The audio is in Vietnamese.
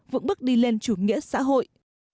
vững bước đi lên chủ nghĩa xã hội